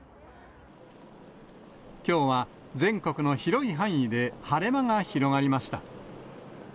きょうは全国の広い範囲で晴れ間が広がりました。